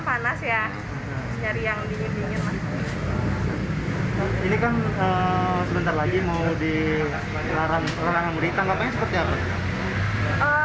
panas ya nyari yang dingin dingin ini kan sebentar lagi mau di rarang rarang berita